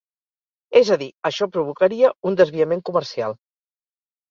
És a dir, això provocaria un desviament comercial.